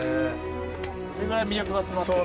それぐらい魅力が詰まってる。